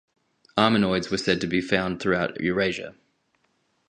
Armenoids were said to be found throughout Eurasia.